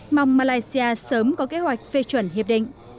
mong malaysia sớm có kế hoạch phê chuẩn hiệp định